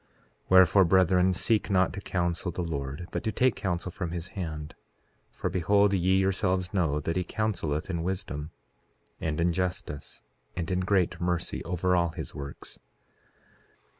4:10 Wherefore, brethren, seek not to counsel the Lord, but to take counsel from his hand. For behold, ye yourselves know that he counseleth in wisdom, and in justice, and in great mercy, over all his works.